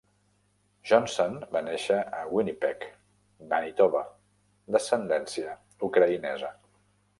Johnson va néixer a Winnipeg, Manitoba, d'ascendència ucraïnesa.